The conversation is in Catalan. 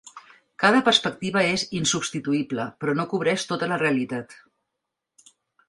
Cada perspectiva és insubstituïble, però no cobreix tota la realitat.